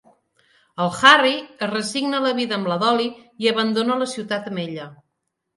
El Harry es resigna a la vida amb la Dolly i abandona la ciutat amb ella.